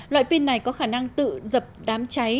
loại pin này có khả năng tự dập đám cháy